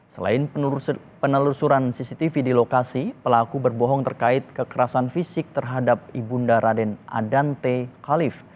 selain penelusuran cctv di lokasi pelaku berbohong terkait kekerasan fisik terhadap ibu nda raden adante khalif